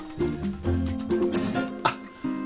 あっ！